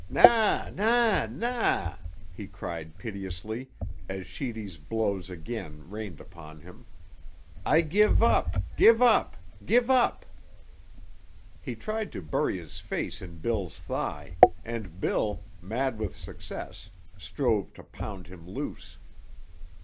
"Na, na, na!" he cried piteously, as Sheedy's blows again rained upon him. "I give up, give up, give up!" He tried to bury his face in Bill's thigh; and Bill, mad with success, strove to pound him loose.